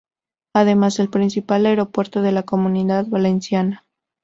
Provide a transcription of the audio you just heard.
Además, es el principal aeropuerto de la Comunidad Valenciana.